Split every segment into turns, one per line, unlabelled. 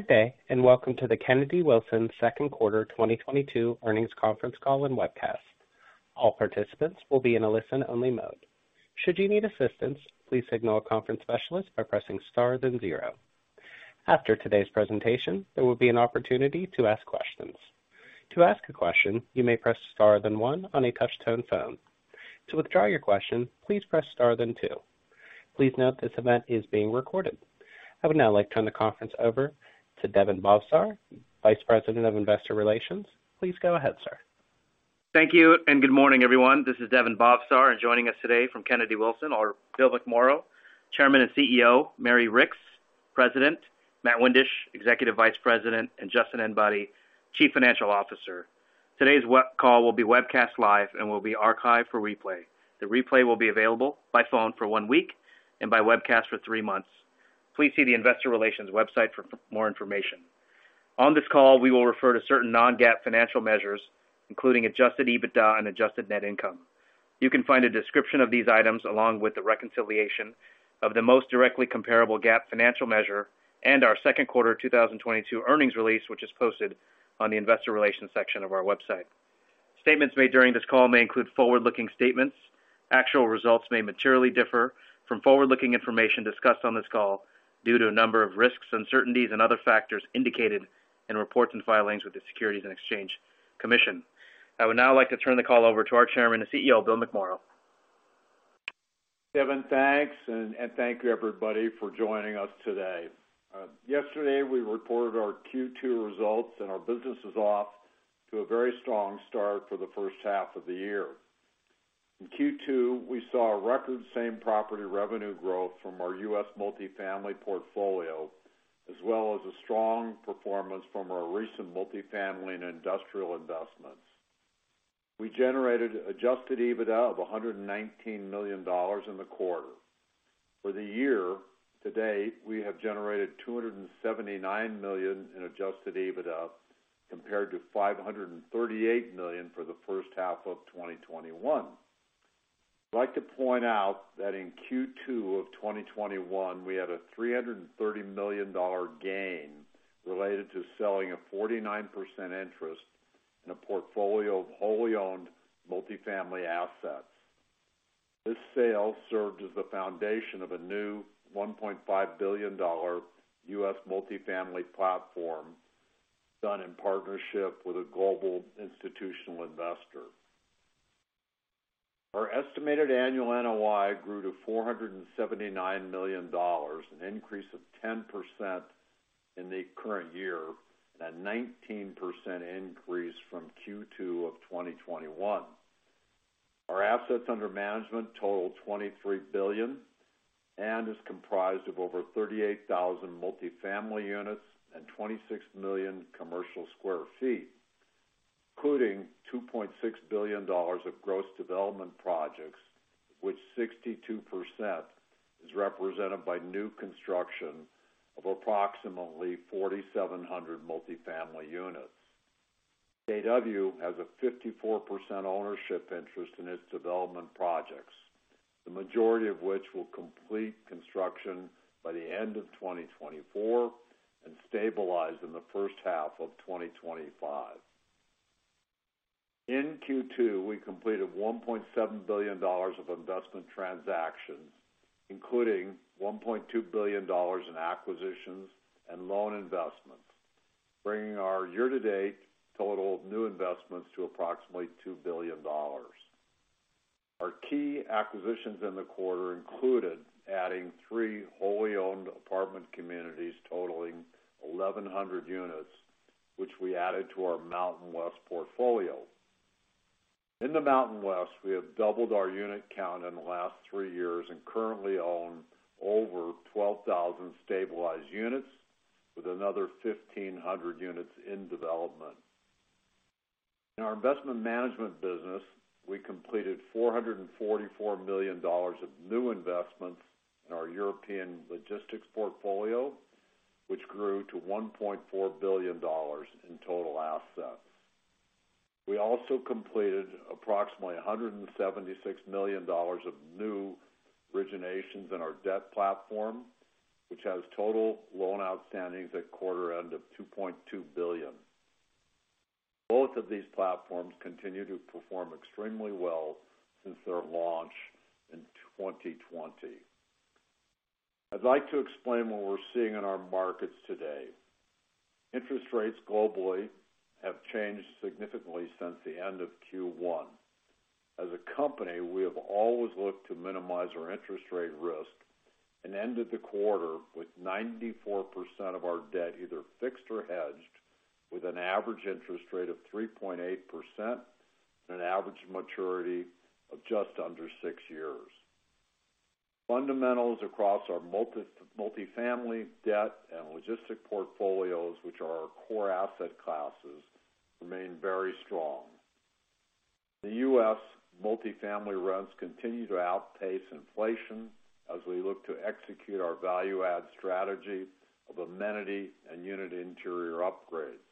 Good day, and welcome to the Kennedy-Wilson Second Quarter 2022 Earnings Conference Call and Webcast. All participants will be in a listen-only mode. Should you need assistance, please signal a conference specialist by pressing Star then zero. After today's presentation, there will be an opportunity to ask questions. To ask a question, you may press star then one on a touch-tone phone. To withdraw your question, please press star then two. Please note this event is being recorded. I would now like to turn the conference over to Daven Bhavsar, Vice President of Investor Relations. Please go ahead, sir.
Thank you and good morning, everyone. This is Daven Bhavsar, and joining us today from Kennedy-Wilson are Bill McMorrow, Chairman and CEO, Mary Ricks, President, Matt Windisch, Executive Vice President, and Justin Enbody, Chief Financial Officer. Today's call will be webcast live and will be archived for replay. The replay will be available by phone for one week and by webcast for three months. Please see the Investor Relations website for more information. On this call, we will refer to certain non-GAAP financial measures, including Adjusted EBITDA and adjusted net income. You can find a description of these items along with the reconciliation of the most directly comparable GAAP financial measure and our second quarter 2022 earnings release, which is posted on the Investor Relations section of our website. Statements made during this call may include forward-looking statements. Actual results may materially differ from forward-looking information discussed on this call due to a number of risks, uncertainties, and other factors indicated in reports and filings with the Securities and Exchange Commission. I would now like to turn the call over to our Chairman and CEO, Bill McMorrow.
Daven, thanks, and thank you, everybody, for joining us today. Yesterday, we reported our Q2 results, and our business is off to a very strong start for the first half of the year. In Q2, we saw a record same-property revenue growth from our U.S. multifamily portfolio, as well as a strong performance from our recent multifamily and industrial investments. We generated Adjusted EBITDA of $119 million in the quarter. For the year-to-date, we have generated $279 million in Adjusted EBITDA compared to $538 million for the first half of 2021. I'd like to point out that in Q2 of 2021, we had a $330 million gain related to selling a 49% interest in a portfolio of wholly owned multifamily assets. This sale served as the foundation of a new $1.5 billion U.S. multifamily platform done in partnership with a global institutional investor. Our estimated annual NOI grew to $479 million, an increase of 10% in the current year and a 19% increase from Q2 of 2021. Our assets under management totaled $23 billion and is comprised of over 38,000 multifamily units and 26 million commercial sq ft, including $2.6 billion of gross development projects, which 62% is represented by new construction of approximately 4,700 multifamily units. KW has a 54% ownership interest in its development projects, the majority of which will complete construction by the end of 2024 and stabilize in the first half of 2025. In Q2, we completed $1.7 billion of investment transactions, including $1.2 billion in acquisitions and loan investments, bringing our year-to-date total of new investments to approximately $2 billion. Our key acquisitions in the quarter included adding three wholly owned apartment communities totaling 1,100 units, which we added to our Mountain West portfolio. In the Mountain West, we have doubled our unit count in the last three years and currently own over 12,000 stabilized units with another 1,500 units in development. In our investment management business, we completed $444 million of new investments in our European logistics portfolio, which grew to $1.4 billion in total assets. We also completed approximately $176 million of new originations in our debt platform, which has total loan outstandings at quarter end of $2.2 billion. Both of these platforms continue to perform extremely well since their launch in 2020. I'd like to explain what we're seeing in our markets today. Interest rates globally have changed significantly since the end of Q1. As a company, we have always looked to minimize our interest rate risk and ended the quarter with 94% of our debt either fixed or hedged, with an average interest rate of 3.8% and an average maturity of just under six years. Fundamentals across our multifamily debt and logistics portfolios, which are our core asset classes, remain very strong. The U.S. multifamily rents continue to outpace inflation as we look to execute our value add strategy of amenity and unit interior upgrades.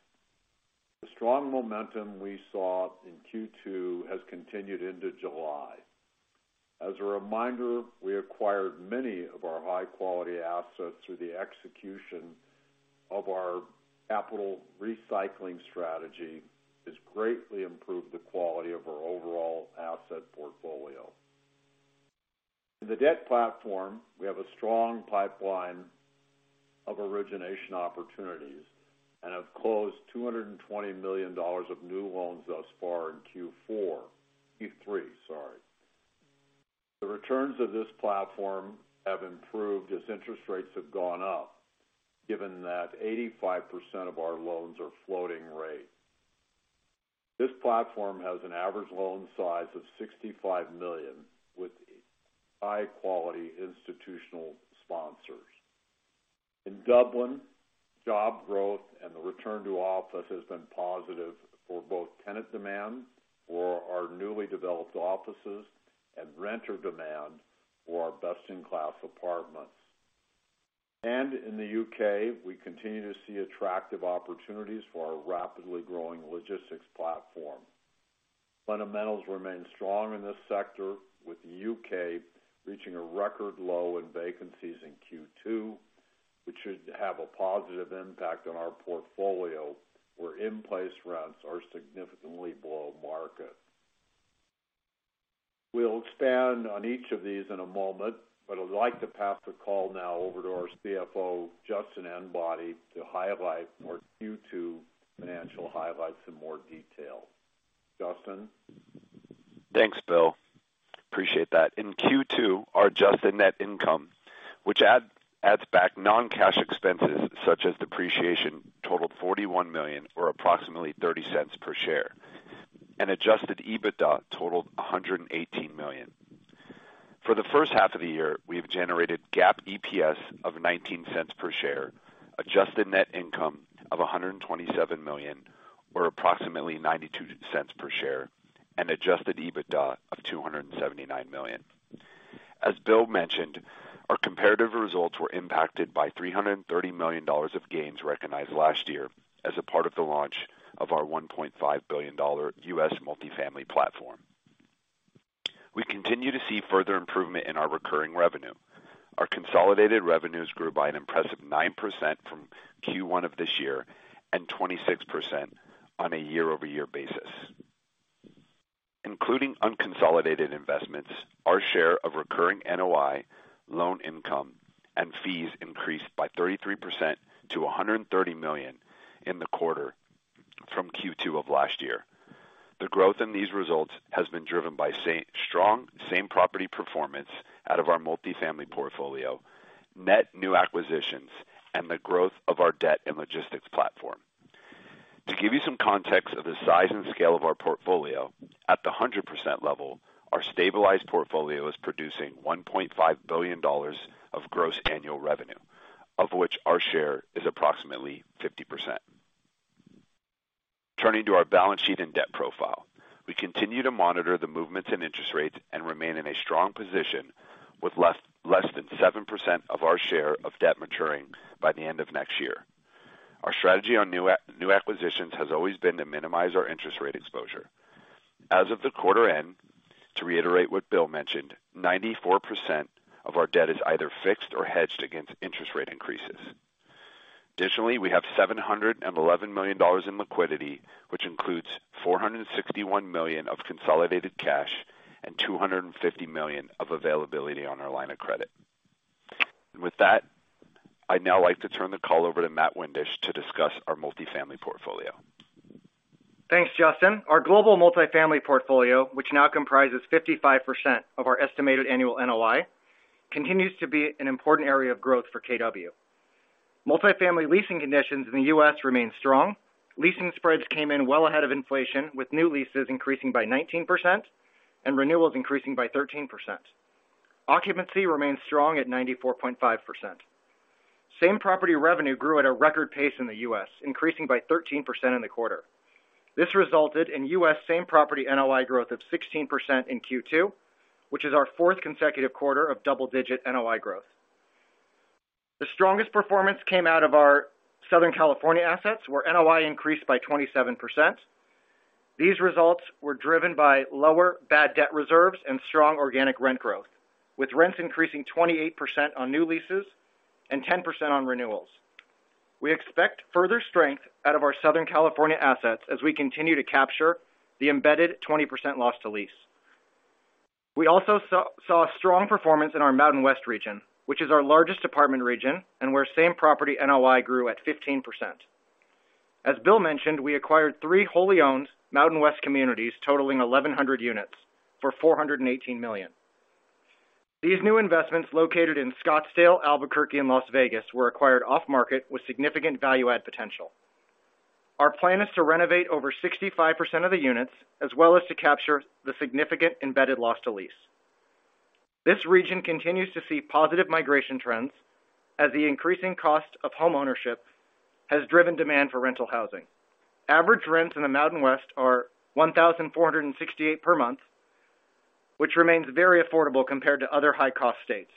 The strong momentum we saw in Q2 has continued into July. As a reminder, we acquired many of our high-quality assets through the execution of our capital recycling strategy, which has greatly improved the quality of our overall asset portfolio. In the debt platform, we have a strong pipeline of origination opportunities and have closed $220 million of new loans thus far in Q3. The returns of this platform have improved as interest rates have gone up, given that 85% of our loans are floating rate. This platform has an average loan size of $65 million, with high-quality institutional sponsors. In Dublin, job growth and the return to office has been positive for both tenant demand for our newly developed offices and renter demand for our best-in-class apartments. In the U.K., we continue to see attractive opportunities for our rapidly growing logistics platform. Fundamentals remain strong in this sector, with the U.K. reaching a record low in vacancies in Q2, which should have a positive impact on our portfolio, where in-place rents are significantly below market. We'll expand on each of these in a moment, but I'd like to pass the call now over to our CFO, Justin Enbody, to highlight more Q2 financial highlights in more detail. Justin?
Thanks, Bill. Appreciate that. In Q2, our adjusted net income, which adds back non-cash expenses such as depreciation, totaled $41 million or approximately $0.30 per share, and Adjusted EBITDA totaled $118 million. For the first half of the year, we've generated GAAP EPS of $0.19 per share, adjusted net income of $127 million or approximately $0.92 per share, and Adjusted EBITDA of $279 million. As Bill mentioned, our comparative results were impacted by $330 million of gains recognized last year as a part of the launch of our $1.5 billion U.S. multifamily platform. We continue to see further improvement in our recurring revenue. Our consolidated revenues grew by an impressive 9% from Q1 of this year and 26% on a year-over-year basis. Including unconsolidated investments, our share of recurring NOI, loan income, and fees increased by 33% to $130 million in the quarter from Q2 of last year. The growth in these results has been driven by strong same property performance out of our multifamily portfolio, net new acquisitions, and the growth of our debt and logistics platform. To give you some context of the size and scale of our portfolio, at the 100% level, our stabilized portfolio is producing $1.5 billion of gross annual revenue, of which our share is approximately 50%. Turning to our balance sheet and debt profile, we continue to monitor the movements in interest rates and remain in a strong position with less than 7% of our share of debt maturing by the end of next year. Our strategy on new acquisitions has always been to minimize our interest rate exposure. As of the quarter end, to reiterate what Bill mentioned, 94% of our debt is either fixed or hedged against interest rate increases. Additionally, we have $711 million in liquidity, which includes $461 million of consolidated cash and $250 million of availability on our line of credit. With that, I'd now like to turn the call over to Matt Windisch to discuss our multifamily portfolio.
Thanks, Justin. Our global multifamily portfolio, which now comprises 55% of our estimated annual NOI, continues to be an important area of growth for KW. Multifamily leasing conditions in the U.S. remain strong. Leasing spreads came in well ahead of inflation, with new leases increasing by 19% and renewals increasing by 13%. Occupancy remains strong at 94.5%. Same property revenue grew at a record pace in the U.S., increasing by 13% in the quarter. This resulted in U.S. same property NOI growth of 16% in Q2, which is our fourth consecutive quarter of double-digit NOI growth. The strongest performance came out of our Southern California assets, where NOI increased by 27%. These results were driven by lower bad debt reserves and strong organic rent growth, with rents increasing 28% on new leases and 10% on renewals. We expect further strength out of our Southern California assets as we continue to capture the embedded 20% loss to lease. We also saw a strong performance in our Mountain West region, which is our largest apartment region and where same property NOI grew at 15%. As Bill mentioned, we acquired three wholly-owned Mountain West communities totaling 1,100 units for $418 million. These new investments, located in Scottsdale, Albuquerque and Las Vegas, were acquired off-market with significant value add potential. Our plan is to renovate over 65% of the units, as well as to capture the significant embedded loss to lease. This region continues to see positive migration trends as the increasing cost of homeownership has driven demand for rental housing. Average rents in the Mountain West are $1,468 per month, which remains very affordable compared to other high-cost states.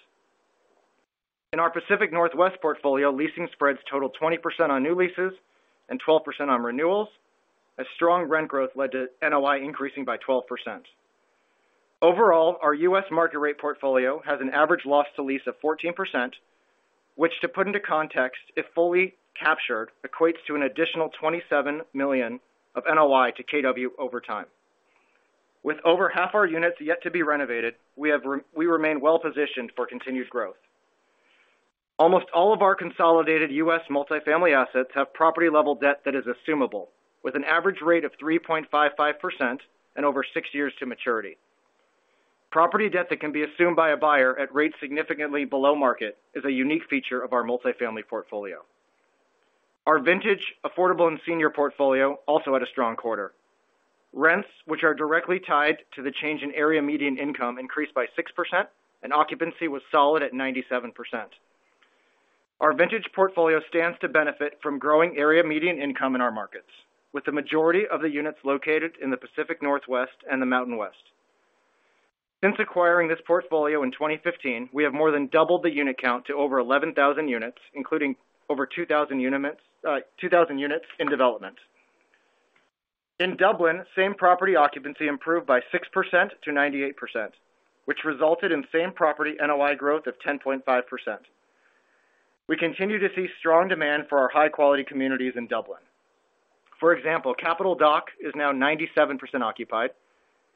In our Pacific Northwest portfolio, leasing spreads totaled 20% on new leases and 12% on renewals as strong rent growth led to NOI increasing by 12%. Overall, our U.S. market rate portfolio has an average loss to lease of 14%, which, to put into context, if fully captured, equates to an additional $27 million of NOI to KW over time. With over half our units yet to be renovated, we remain well positioned for continued growth. Almost all of our consolidated U.S. multifamily assets have property level debt that is assumable, with an average rate of 3.55% and over six years to maturity. Property debt that can be assumed by a buyer at rates significantly below market is a unique feature of our multifamily portfolio. Our vintage, affordable and senior portfolio also had a strong quarter. Rents, which are directly tied to the change in area median income, increased by 6% and occupancy was solid at 97%. Our vintage portfolio stands to benefit from growing area median income in our markets, with the majority of the units located in the Pacific Northwest and the Mountain West. Since acquiring this portfolio in 2015, we have more than doubled the unit count to over 11,000 units, including over 2,000 units in development. In Dublin, same property occupancy improved by 6%-98%, which resulted in same property NOI growth of 10.5%. We continue to see strong demand for our high quality communities in Dublin. For example, Capital Dock is now 97% occupied,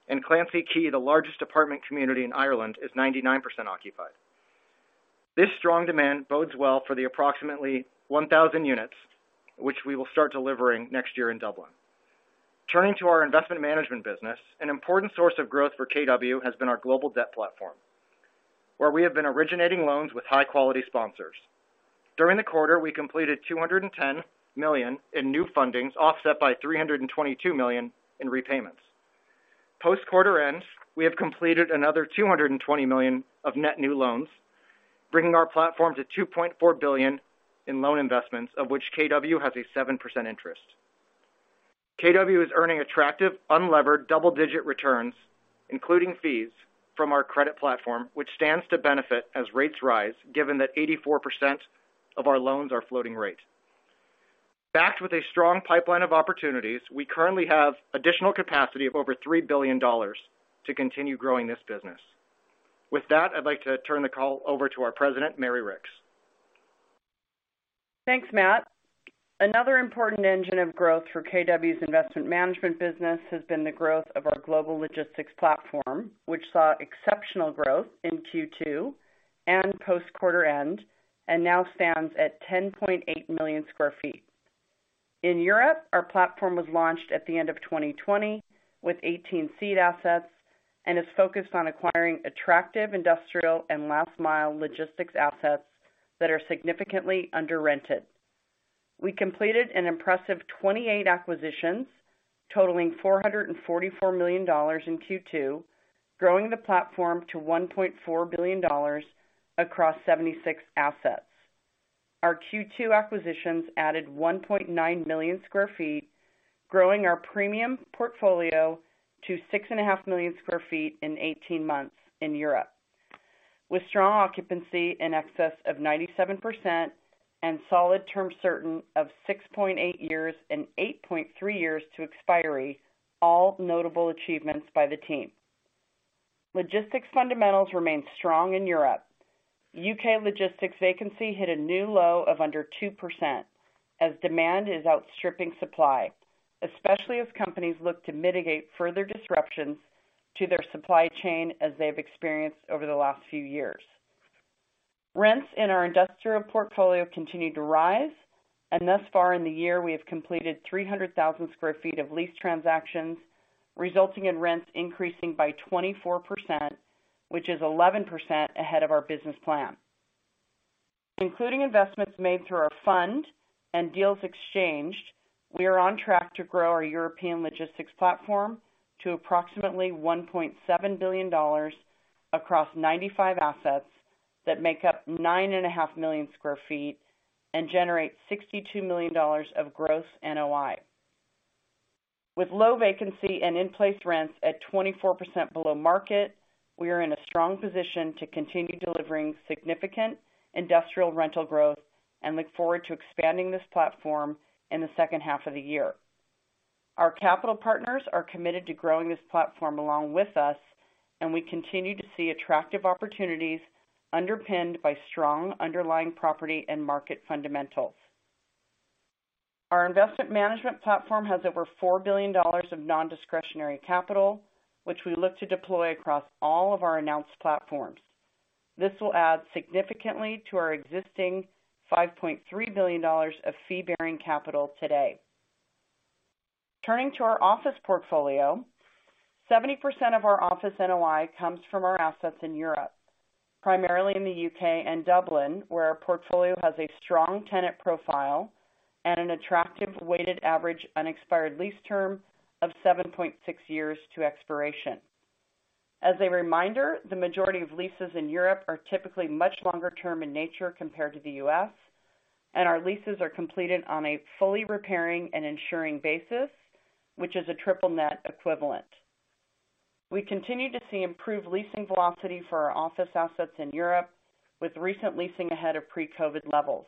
and Clancy Quay, the largest apartment community in Ireland, is 99% occupied. This strong demand bodes well for the approximately 1,000 units which we will start delivering next year in Dublin. Turning to our investment management business, an important source of growth for KW has been our global debt platform, where we have been originating loans with high quality sponsors. During the quarter, we completed $210 million in new fundings, offset by $322 million in repayments. Post quarter end, we have completed another $220 million of net new loans, bringing our platform to $2.4 billion in loan investments, of which KW has a 7% interest. KW is earning attractive, unlevered double-digit returns, including fees from our credit platform, which stands to benefit as rates rise given that 84% of our loans are floating rate. Backed with a strong pipeline of opportunities, we currently have additional capacity of over $3 billion to continue growing this business. With that, I'd like to turn the call over to our President, Mary Ricks.
Thanks, Matt. Another important engine of growth for KW's investment management business has been the growth of our global logistics platform, which saw exceptional growth in Q2 and post quarter end, and now stands at 10.8 million sq ft. In Europe, our platform was launched at the end of 2020 with 18 seed assets and is focused on acquiring attractive industrial and last mile logistics assets that are significantly underrented. We completed an impressive 28 acquisitions totaling $444 million in Q2, growing the platform to $1.4 billion across 76 assets. Our Q2 acquisitions added 1.9 million sq ft, growing our premium portfolio to 6.5 million sq ft in 18 months in Europe. With strong occupancy in excess of 97% and solid term certain of 6.8 years and 8.3 years to expiry, all notable achievements by the team. Logistics fundamentals remain strong in Europe. U.K. logistics vacancy hit a new low of under 2% as demand is outstripping supply, especially as companies look to mitigate further disruptions to their supply chain as they've experienced over the last few years. Rents in our industrial portfolio continued to rise, and thus far in the year we have completed 300,000 sq ft of lease transactions, resulting in rents increasing by 24%, which is 11% ahead of our business plan. Including investments made through our fund and deals exchanged, we are on track to grow our European logistics platform to approximately $1.7 billion across 95 assets that make up 9.5 million sq ft and generate $62 million of gross NOI. With low vacancy and in-place rents at 24% below market, we are in a strong position to continue delivering significant industrial rental growth and look forward to expanding this platform in the second half of the year. Our capital partners are committed to growing this platform along with us, and we continue to see attractive opportunities underpinned by strong underlying property and market fundamentals. Our investment management platform has over $4 billion of non-discretionary capital, which we look to deploy across all of our announced platforms. This will add significantly to our existing $5.3 billion of fee-bearing capital today. Turning to our office portfolio, 70% of our office NOI comes from our assets in Europe, primarily in the U.K. and Dublin, where our portfolio has a strong tenant profile and an attractive weighted average unexpired lease term of 7.6 years to expiration. As a reminder, the majority of leases in Europe are typically much longer term in nature compared to the U.S., and our leases are completed on a fully repairing and insuring basis, which is a triple net equivalent. We continue to see improved leasing velocity for our office assets in Europe, with recent leasing ahead of pre-COVID levels.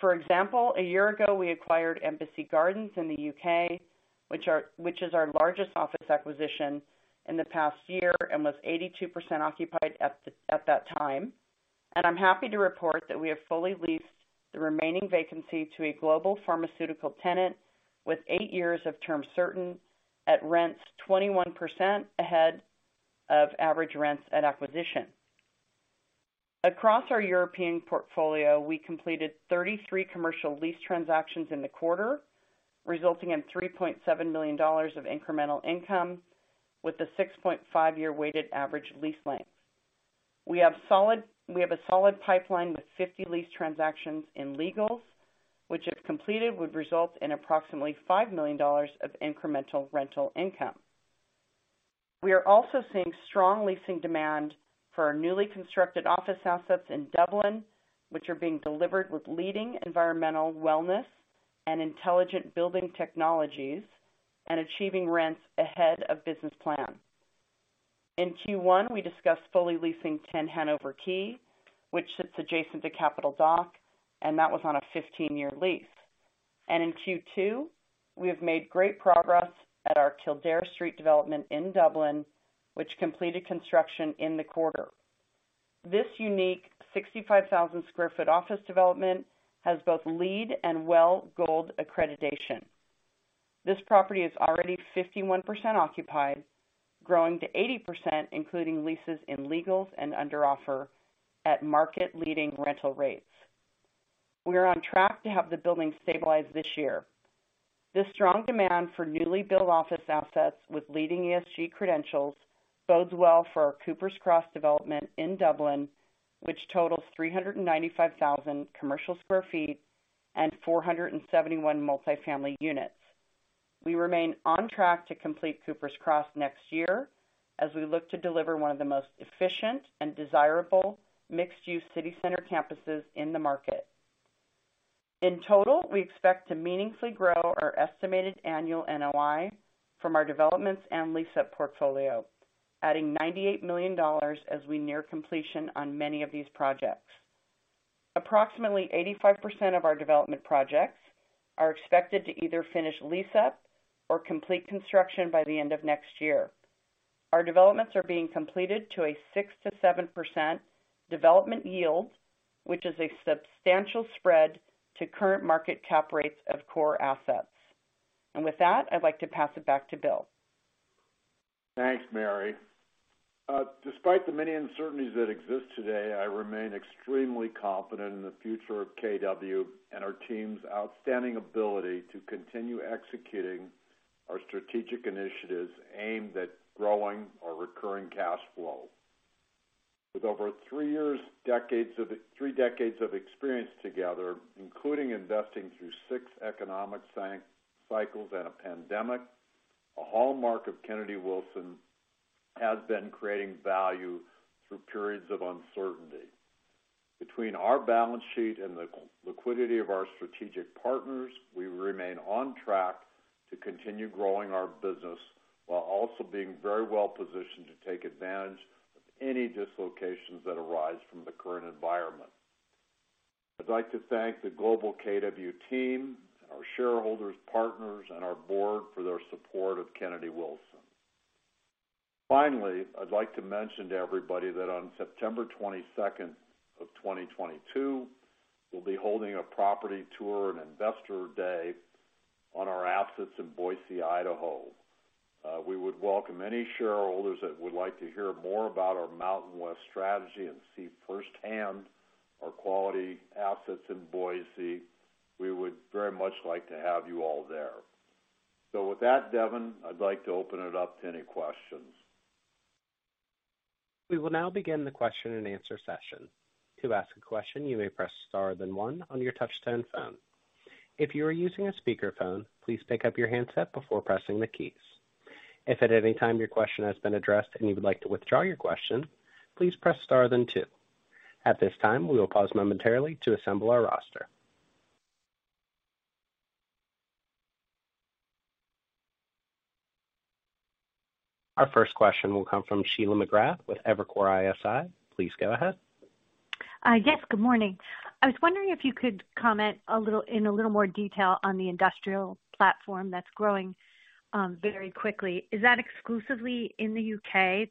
For example, a year ago, we acquired Embassy Gardens in the U.K., which is our largest office acquisition in the past year, and was 82% occupied at that time. I'm happy to report that we have fully leased the remaining vacancy to a global pharmaceutical tenant with eight years of term certain at rents 21% ahead of average rents at acquisition. Across our European portfolio, we completed 33 commercial lease transactions in the quarter, resulting in $3.7 million of incremental income with a 6.5-year weighted average lease length. We have a solid pipeline with 50 lease transactions in legals, which, if completed, would result in approximately $5 million of incremental rental income. We are also seeing strong leasing demand for our newly constructed office assets in Dublin, which are being delivered with leading environmental wellness and intelligent building technologies and achieving rents ahead of business plan. In Q1, we discussed fully leasing Ten Hanover Quay, which sits adjacent to Capital Dock, and that was on a 15-year lease. In Q2, we have made great progress at our Kildare Street development in Dublin, which completed construction in the quarter. This unique 65,000 sq ft office development has both LEED and WELL gold accreditation. This property is already 51% occupied, growing to 80%, including leases in legals and under offer at market leading rental rates. We are on track to have the building stabilized this year. This strong demand for newly built office assets with leading ESG credentials bodes well for our Coopers Cross development in Dublin, which totals 395,000 commercial sq ft and 471 multifamily units. We remain on track to complete Coopers Cross next year as we look to deliver one of the most efficient and desirable mixed-use city center campuses in the market. In total, we expect to meaningfully grow our estimated annual NOI from our developments and lease-up portfolio, adding $98 million as we near completion on many of these projects. Approximately 85% of our development projects are expected to either finish lease-up or complete construction by the end of next year. Our developments are being completed to a 6%-7% development yield, which is a substantial spread to current market cap rates of core assets. With that, I'd like to pass it back to Bill.
Thanks, Mary. Despite the many uncertainties that exist today, I remain extremely confident in the future of KW and our team's outstanding ability to continue executing our strategic initiatives aimed at growing our recurring cash flow. With over three decades of experience together, including investing through six economic cycles and a pandemic, a hallmark of Kennedy-Wilson has been creating value through periods of uncertainty. Between our balance sheet and the liquidity of our strategic partners, we remain on track to continue growing our business while also being very well positioned to take advantage of any dislocations that arise from the current environment. I'd like to thank the global KW team, our shareholders, partners, and our board for their support of Kennedy-Wilson. Finally, I'd like to mention to everybody that on September 22nd, 2022, we'll be holding a property tour and Investor Day on our assets in Boise, Idaho. We would welcome any shareholders that would like to hear more about our Mountain West strategy and see firsthand our quality assets in Boise. We would very much like to have you all there. With that, Daven, I'd like to open it up to any questions.
We will now begin the question and answer session. To ask a question, you may press star, then one on your touch tone phone. If you are using a speakerphone, please pick up your handset before pressing the keys. If at any time your question has been addressed and you would like to withdraw your question, please press star then two. At this time, we will pause momentarily to assemble our roster. Our first question will come from Sheila McGrath with Evercore ISI. Please go ahead.
Yes, good morning. I was wondering if you could comment in a little more detail on the industrial platform that's growing very quickly. Is that exclusively in the U.K.?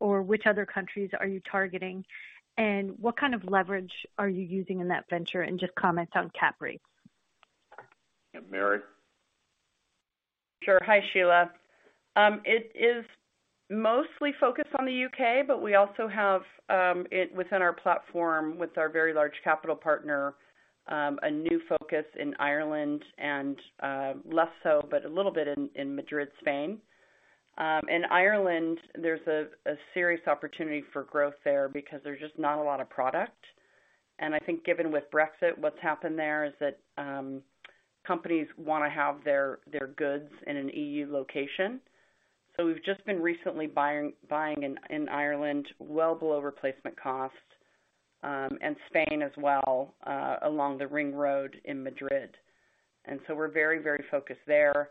Or which other countries are you targeting, and what kind of leverage are you using in that venture? Just comment on cap rate.
Yeah, Mary?
Sure. Hi, Sheila. It is mostly focused on the U.K., but we also have it within our platform with our very large capital partner, a new focus in Ireland and, less so, but a little bit in Madrid, Spain. In Ireland, there's a serious opportunity for growth there because there's just not a lot of product. I think given with Brexit, what's happened there is that companies wanna have their goods in an EU location. We've just been recently buying in Ireland well below replacement cost. Spain as well, along the ring road in Madrid. We're very focused there.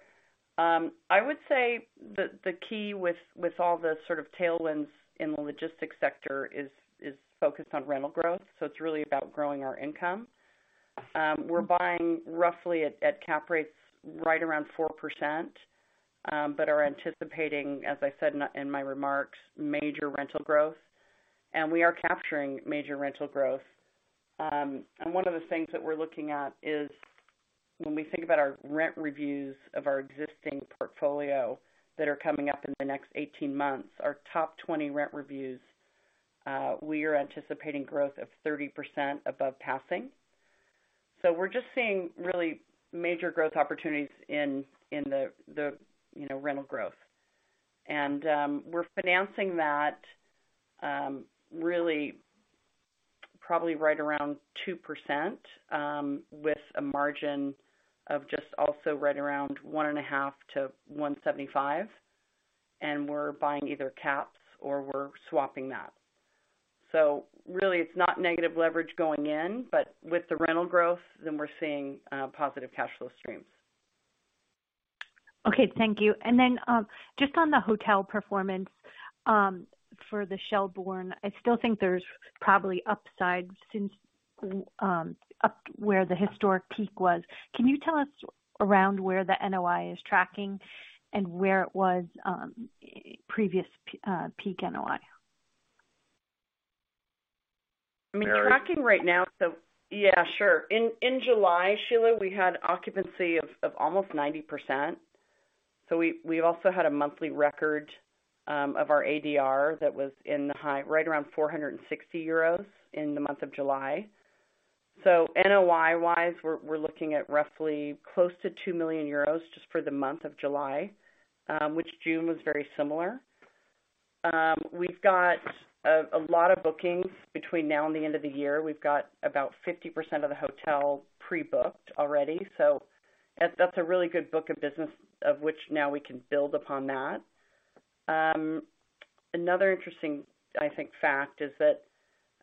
I would say the key with all the sort of tailwinds in the logistics sector is focused on rental growth. It's really about growing our income. We're buying roughly at cap rates right around 4%, but are anticipating, as I said in my remarks, major rental growth, and we are capturing major rental growth. One of the things that we're looking at is when we think about our rent reviews of our existing portfolio that are coming up in the next 18 months, our top 20 rent reviews, we are anticipating growth of 30% above passing. We're just seeing really major growth opportunities in the you know rental growth. We're financing that really probably right around 2%, with a margin of just also right around 1.5%-1.75%, and we're buying either caps or we're swapping that. Really it's not negative leverage going in, but with the rental growth, then we're seeing positive cash flow streams.
Okay, thank you. Then, just on the hotel performance, for the Shelbourne, I still think there's probably upside since up where the historic peak was. Can you tell us around where the NOI is tracking and where it was, previous peak NOI?
I mean, tracking right now.
Mary-
Yeah, sure. In July, Sheila, we had occupancy of almost 90%. We also had a monthly record of our ADR that was in the high, right around 460 euros in the month of July. NOI-wise, we're looking at roughly close to 2 million euros just for the month of July, which June was very similar. We've got a lot of bookings between now and the end of the year. We've got about 50% of the hotel pre-booked already. That's a really good book of business of which now we can build upon that. Another interesting, I think, fact is that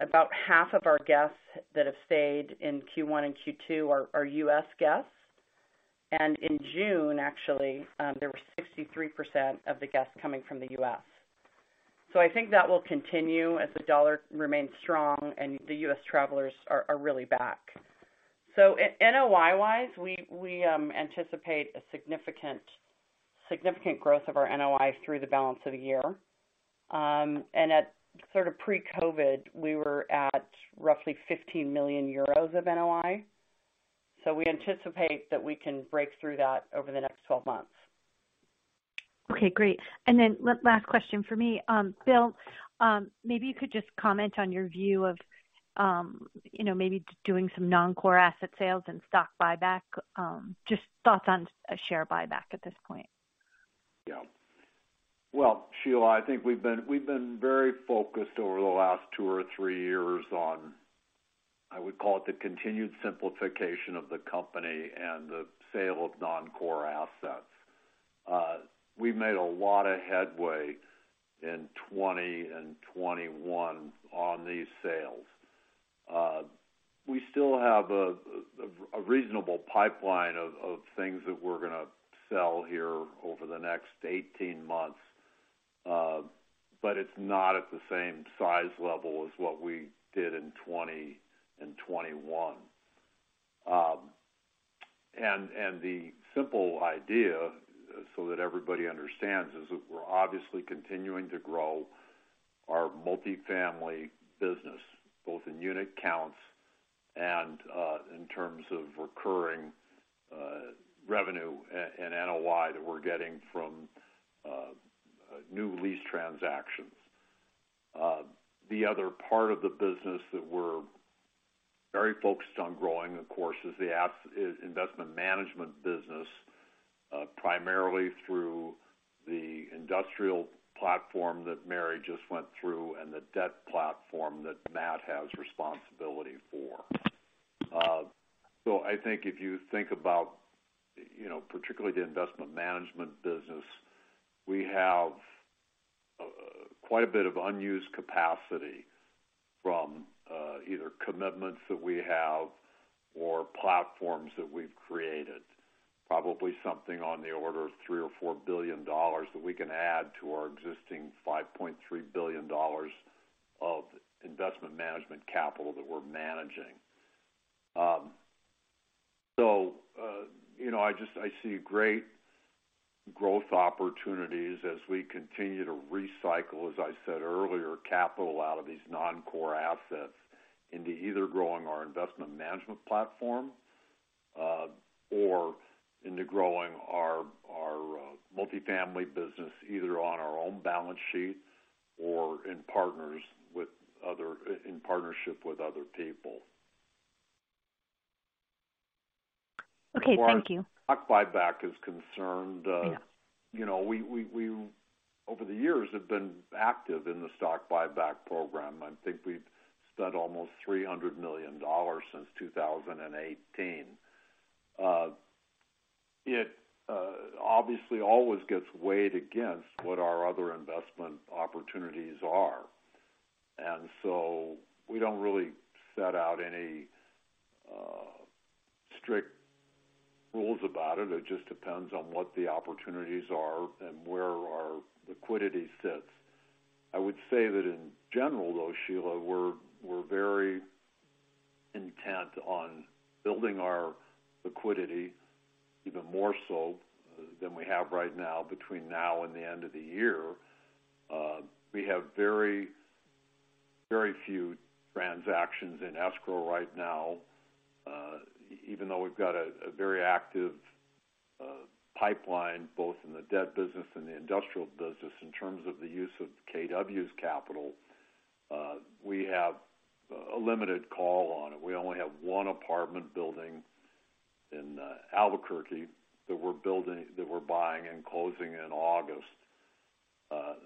about half of our guests that have stayed in Q1 and Q2 are U.S. guests. In June, actually, there were 63% of the guests coming from the U.S. I think that will continue as the dollar remains strong and the U.S. travelers are really back. NOI wise, we anticipate a significant growth of our NOI through the balance of the year. At sort of pre-COVID, we were at roughly 15 million euros of NOI. We anticipate that we can break through that over the next 12 months.
Okay, great. Last question for me. Bill, maybe you could just comment on your view of, you know, maybe doing some non-core asset sales and stock buyback. Just thoughts on a share buyback at this point.
Yeah. Well, Sheila, I think we've been very focused over the last two or three years on, I would call it, the continued simplification of the company and the sale of non-core assets. We made a lot of headway in 2020 and 2021 on these sales. We still have a reasonable pipeline of things that we're gonna sell here over the next 18 months, but it's not at the same size level as what we did in 2020 and 2021. The simple idea, so that everybody understands, is that we're obviously continuing to grow our multifamily business, both in unit counts and in terms of recurring revenue and NOI that we're getting from new lease transactions. The other part of the business that we're very focused on growing, of course, is the investment management business, primarily through the industrial platform that Mary just went through and the debt platform that Matt has responsibility for. I think if you think about, you know, particularly the investment management business, we have quite a bit of unused capacity from either commitments that we have or platforms that we've created. Probably something on the order of $3 billion or $4 billion that we can add to our existing $5.3 billion of investment management capital that we're managing. you know, I just, I see great growth opportunities as we continue to recycle, as I said earlier, capital out of these non-core assets into either growing our investment management platform, or into growing our multifamily business, either on our own balance sheet or in partnership with other people.
Okay. Thank you.
As far as stock buyback is concerned.
Yeah
You know, we over the years have been active in the stock buyback program. I think we've spent almost $300 million since 2018. It obviously always gets weighed against what our other investment opportunities are. We don't really set out any strict rules about it. It just depends on what the opportunities are and where our liquidity sits. I would say that in general, though, Sheila, we're very intent on building our liquidity even more so than we have right now between now and the end of the year. We have very, very few transactions in escrow right now, even though we've got a very active pipeline, both in the debt business and the industrial business. In terms of the use of KW's capital, we have a limited call on it. We only have one apartment building in Albuquerque that we're buying and closing in August.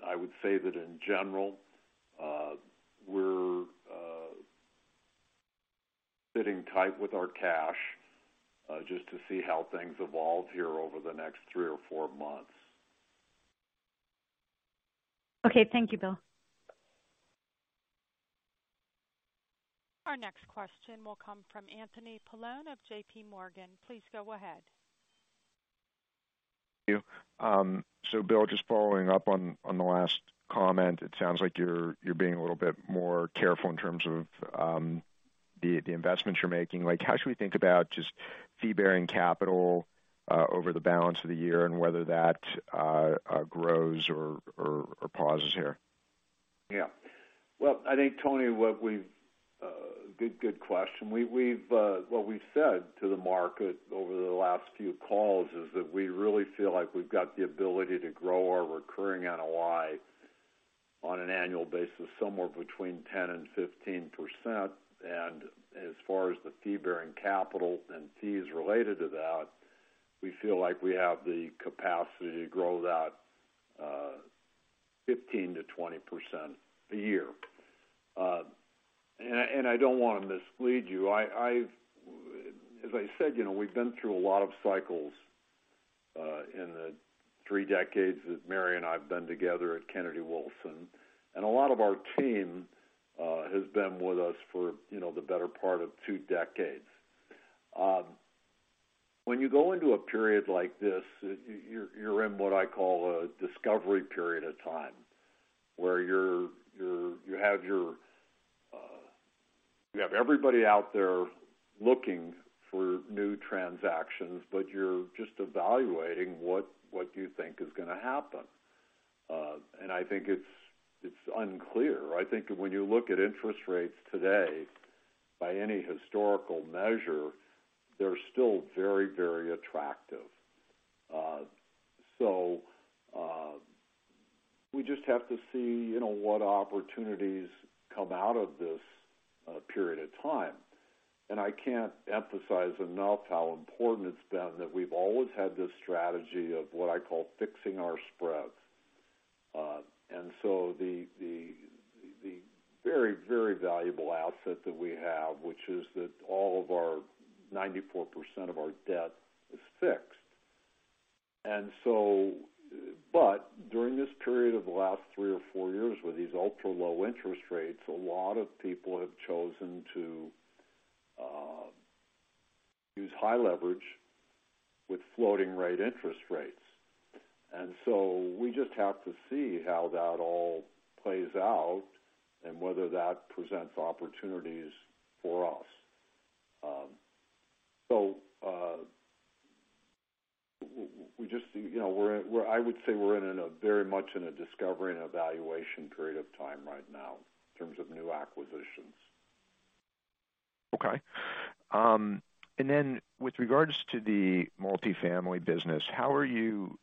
I would say that in general, we're sitting tight with our cash, just to see how things evolve here over the next three or four months.
Okay. Thank you, Bill.
Our next question will come from Anthony Paolone of JPMorgan. Please go ahead.
Thank you. Bill, just following up on the last comment. It sounds like you're being a little bit more careful in terms of the investments you're making. Like, how should we think about just fee-bearing capital over the balance of the year and whether that grows or pauses here?
Yeah. Well, I think, Tony, good question. What we've said to the market over the last few calls is that we really feel like we've got the ability to grow our recurring NOI on an annual basis somewhere between 10%-15%. As far as the fee-bearing capital and fees related to that, we feel like we have the capacity to grow that 15%-20% a year. I don't wanna mislead you. As I said, you know, we've been through a lot of cycles in the three decades that Mary and I have been together at Kennedy-Wilson, and a lot of our team has been with us for, you know, the better part of two decades. When you go into a period like this, you're in what I call a discovery period of time, where you have everybody out there looking for new transactions, but you're just evaluating what you think is gonna happen. I think it's unclear. I think when you look at interest rates today, by any historical measure, they're still very attractive. We just have to see, you know, what opportunities come out of this period of time. I can't emphasize enough how important it's been that we've always had this strategy of what I call fixing our spreads. The very valuable asset that we have, which is that all of our 94% of our debt is fixed. During this period of the last three or four years with these ultra-low interest rates, a lot of people have chosen to use high leverage with floating rate interest rates. We just have to see how that all plays out and whether that presents opportunities for us. We just, you know, I would say we're in a very much in a discovery and evaluation period of time right now in terms of new acquisitions.
Okay. With regards to the multifamily business, how are you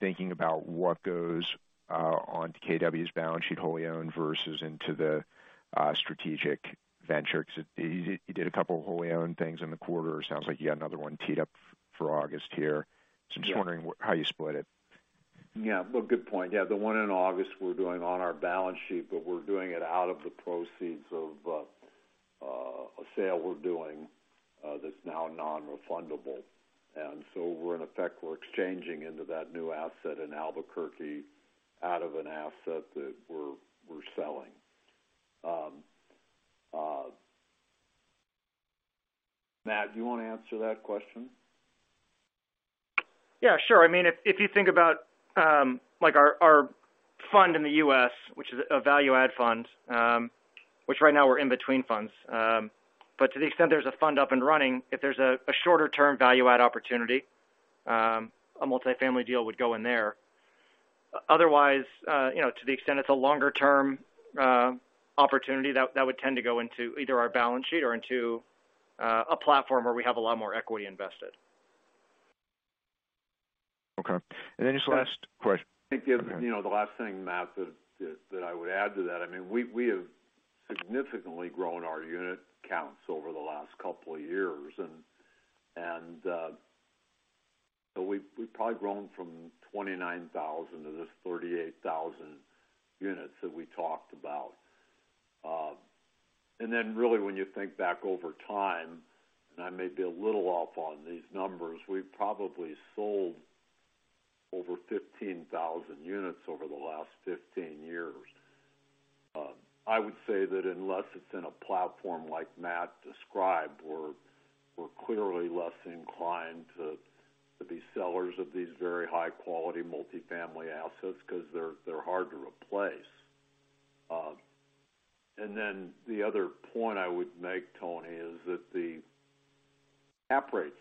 thinking about what goes on to KW's balance sheet, wholly owned versus into the strategic venture? Because you did a couple of wholly owned things in the quarter. It sounds like you got another one teed up for August here.
Yeah.
I'm just wondering how you split it.
Yeah. Well, good point. Yeah, the one in August we're doing on our balance sheet, but we're doing it out of the proceeds of a sale we're doing that's now non-refundable. We're in effect, we're exchanging into that new asset in Albuquerque out of an asset that we're selling. Matt, do you wanna answer that question?
Yeah, sure. I mean, if you think about like our fund in the U.S., which is a value add fund, which right now we're in between funds. To the extent there's a fund up and running, if there's a shorter term value add opportunity, a multifamily deal would go in there. Otherwise, you know, to the extent it's a longer term opportunity that would tend to go into either our balance sheet or into a platform where we have a lot more equity invested.
Okay. Just last question.
I think, you know, the last thing, Matt, that I would add to that, I mean, we have significantly grown our unit counts over the last couple of years. We've probably grown from 29,000 to this 38,000 units that we talked about. Then really when you think back over time, and I may be a little off on these numbers, we've probably sold over 15,000 units over the last 15 years. I would say that unless it's in a platform like Matt described, we're clearly less inclined to be sellers of these very high-quality multifamily assets because they're hard to replace. Then the other point I would make, Tony, is that the cap rates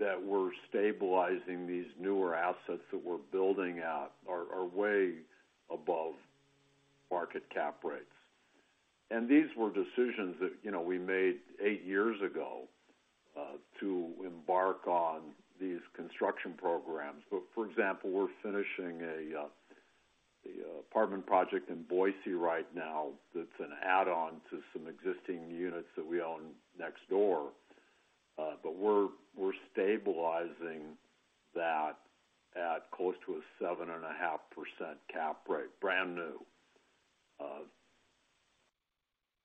that we're stabilizing these newer assets that we're building out are way above market cap rates. These were decisions that, you know, we made eight years ago to embark on these construction programs. For example, we're finishing an apartment project in Boise right now that's an add-on to some existing units that we own next door. We're stabilizing that at close to a 7.5% cap rate, brand new.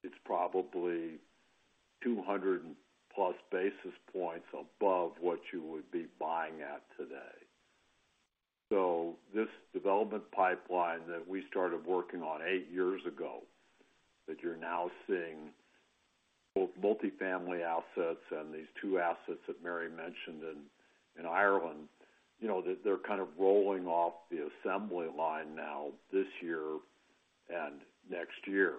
It's probably 200+ basis points above what you would be buying at today. This development pipeline that we started working on eight years ago, that you're now seeing both multifamily assets and these two assets that Mary mentioned in Ireland, you know, they're kind of rolling off the assembly line now this year and next year.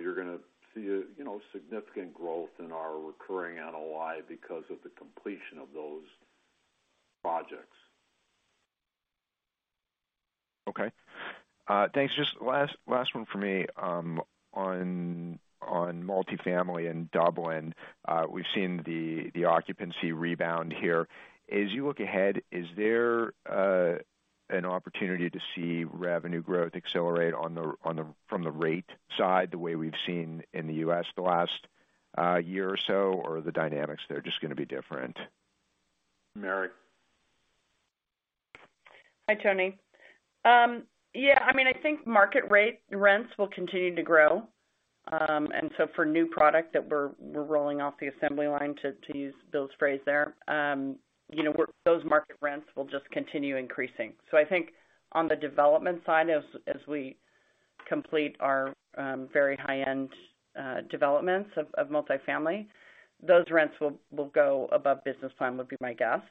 You're gonna see a, you know, significant growth in our recurring NOI because of the completion of those projects.
Okay. Thanks. Just last one for me. On multifamily in Dublin, we've seen the occupancy rebound here. As you look ahead, is there an opportunity to see revenue growth accelerate from the rate side, the way we've seen in the U.S. the last year or so? Or are the dynamics there just gonna be different?
Mary.
Hi, Tony. Yeah, I mean, I think market rate rents will continue to grow. For new product that we're rolling off the assembly line, to use Bill's phrase there, you know, those market rents will just continue increasing. I think on the development side, as we complete our very high-end developments of multifamily, those rents will go above business plan, would be my guess.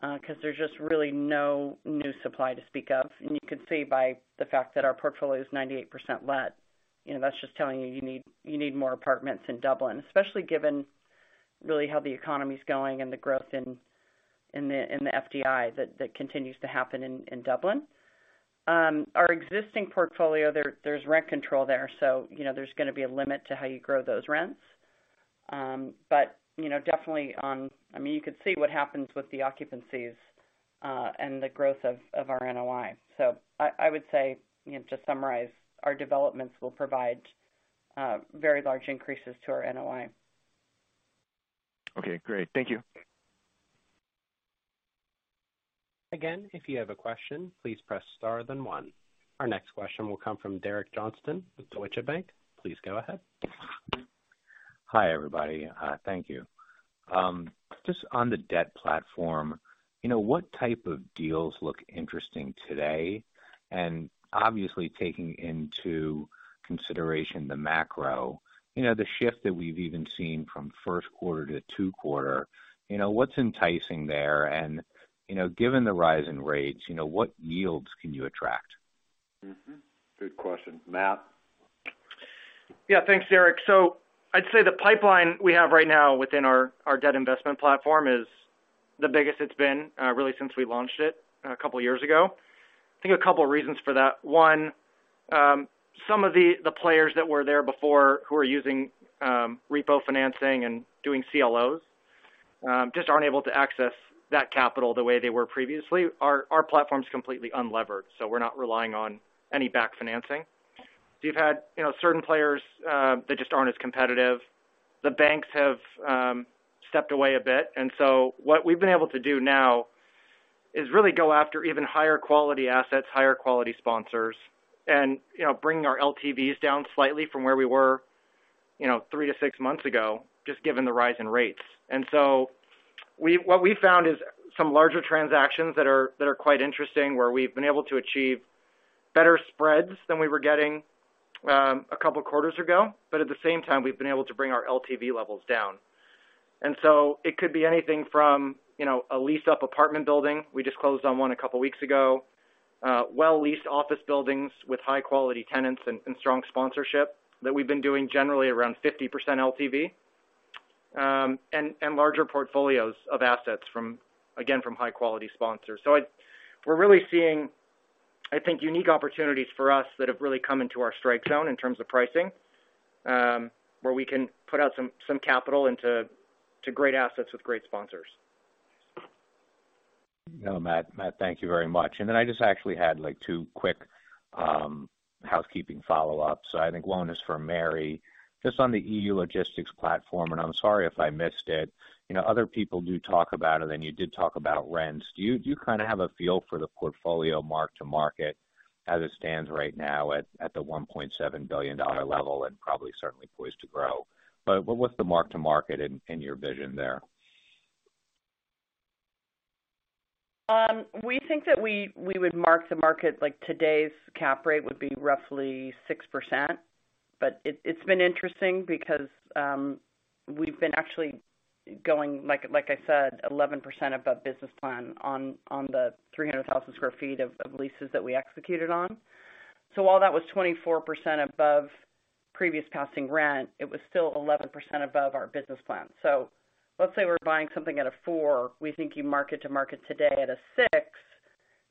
'Cause there's just really no new supply to speak of. You can see by the fact that our portfolio is 98% let. You know, that's just telling you you need more apartments in Dublin, especially given really how the economy's going and the growth in the FDI that continues to happen in Dublin. Our existing portfolio there's rent control there. So, you know, there's gonna be a limit to how you grow those rents. But you know, definitely, I mean, you could see what happens with the occupancies, and the growth of our NOI. I would say, you know, to summarize, our developments will provide very large increases to our NOI.
Okay, great. Thank you.
Again, if you have a question, please press star then one. Our next question will come from Derek Johnston with Deutsche Bank. Please go ahead.
Hi, everybody. Just on the debt platform, you know, what type of deals look interesting today? Obviously taking into consideration the macro, you know, the shift that we've even seen from first quarter to second quarter, you know, what's enticing there? Given the rise in rates, you know, what yields can you attract?
Good question. Matt?
Yeah. Thanks, Derek. I'd say the pipeline we have right now within our debt investment platform is the biggest it's been really since we launched it a couple of years ago. I think a couple of reasons for that. One, some of the players that were there before who are using repo financing and doing CLOs just aren't able to access that capital the way they were previously. Our platform's completely unlevered, so we're not relying on any back financing. You've had, you know, certain players that just aren't as competitive. The banks have stepped away a bit. What we've been able to do now is really go after even higher quality assets, higher quality sponsors, and, you know, bringing our LTVs down slightly from where we were, you know, three to six months ago, just given the rise in rates. What we found is some larger transactions that are quite interesting, where we've been able to achieve better spreads than we were getting a couple of quarters ago. At the same time, we've been able to bring our LTV levels down. It could be anything from, you know, a leased-up apartment building. We just closed on one a couple of weeks ago. Well-leased office buildings with high-quality tenants and strong sponsorship that we've been doing generally around 50% LTV, and larger portfolios of assets from, again, from high-quality sponsors. We're really seeing, I think, unique opportunities for us that have really come into our strike zone in terms of pricing, where we can put out some capital into great assets with great sponsors.
Matt, thank you very much. Then I just actually had, like, two quick housekeeping follow-ups. I think one is for Mary, just on the EU logistics platform, and I'm sorry if I missed it. You know, other people do talk about it, and you did talk about rents. Do you kind of have a feel for the portfolio mark-to-market? As it stands right now at the $1.7 billion level and probably certainly poised to grow. What's the mark-to-market in your vision there?
We think that we would mark-to-market like today's cap rate would be roughly 6%, but it's been interesting because we've been actually going, like I said, 11% above business plan on the 300,000 sq ft of leases that we executed on. While that was 24% above previous passing rent, it was still 11% above our business plan. Let's say we're buying something at a 4%, we think you market-to-market today at a 6%,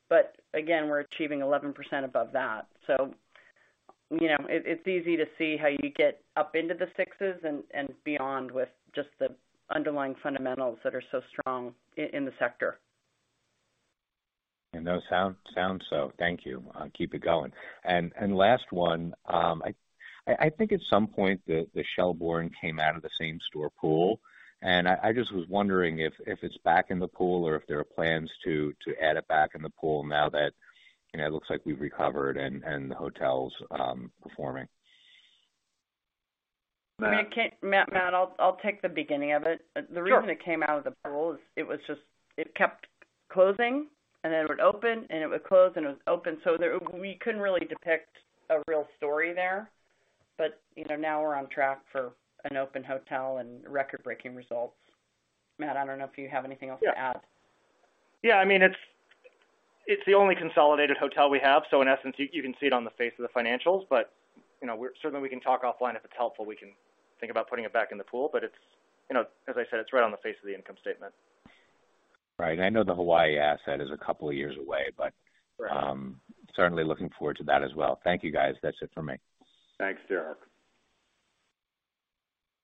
but again, we're achieving 11% above that. You know, it's easy to see how you get up into the sixes and beyond with just the underlying fundamentals that are so strong in the sector.
Those sound so thank you. I'll keep it going. Last one. I think at some point, the Shelbourne came out of the same store pool, and I just was wondering if it's back in the pool or if there are plans to add it back in the pool now that, you know, it looks like we've recovered and the hotel's performing.
Matt, I'll take the beginning of it.
Sure.
The reason it came out of the pool is it was just it kept closing, and then it would open, and it would close, and it would open. There, we couldn't really depict a real story there. You know, now we're on track for an open hotel and record-breaking results. Matt, I don't know if you have anything else to add.
Yeah. I mean, it's the only consolidated hotel we have, so in essence, you can see it on the face of the financials. You know, certainly, we can talk offline if it's helpful, we can think about putting it back in the pool. It's, you know, as I said, it's right on the face of the income statement.
Right. I know the Hawaii asset is a couple of years away, but.
Right.
Certainly looking forward to that as well. Thank you, guys. That's it for me.
Thanks, Derek.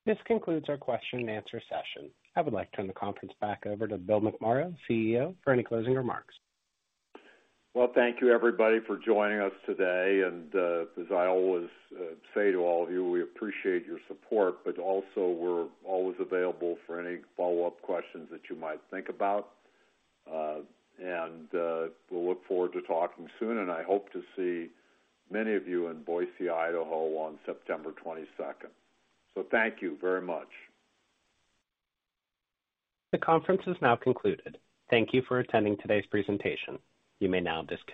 This concludes our question-and-answer session. I would like to turn the conference back over to Bill McMorrow, CEO, for any closing remarks.
Well, thank you, everybody, for joining us today. As I always say to all of you, we appreciate your support, but also we're always available for any follow-up questions that you might think about. We'll look forward to talking soon, and I hope to see many of you in Boise, Idaho on September 22nd. Thank you very much.
The conference is now concluded. Thank you for attending today's presentation. You may now disconnect.